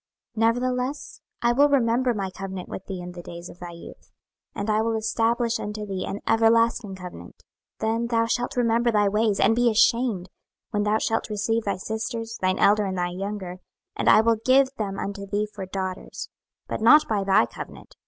26:016:060 Nevertheless I will remember my covenant with thee in the days of thy youth, and I will establish unto thee an everlasting covenant. 26:016:061 Then thou shalt remember thy ways, and be ashamed, when thou shalt receive thy sisters, thine elder and thy younger: and I will give them unto thee for daughters, but not by thy covenant.